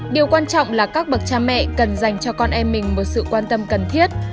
điều quan trọng là các bậc cha mẹ cần dành cho con em mình một sự quan tâm cần thiết